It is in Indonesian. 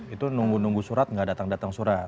itu nunggu nunggu surat nggak datang datang surat